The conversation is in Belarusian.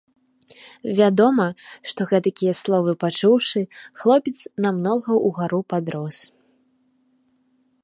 Вядома, што, гэтакія словы пачуўшы, хлопец намнога ўгару падрос.